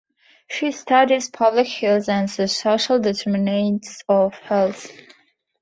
She studies public health and the social determinants of health.